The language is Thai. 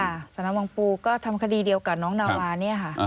สนวังปูก็ทำคดีเดียวกับน้องนาวาเนี่ยค่ะ